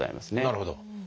なるほど。